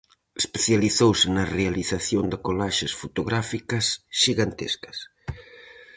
Especializouse na realización de colaxes fotográficas xigantescas.